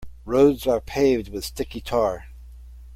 Roads are paved with sticky tar.